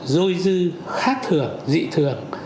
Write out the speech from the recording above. dôi dư khát thường dị thường